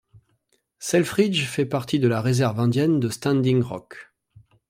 Selfridge fait partie de la réserve indienne de Standing Rock.